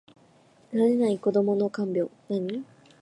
慣れない子どもの看病